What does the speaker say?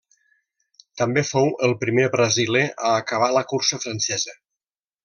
També fou el primer brasiler a acabar la cursa francesa.